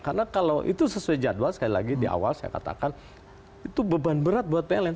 karena kalau itu sesuai jadwal sekali lagi di awal saya katakan itu beban berat buat pln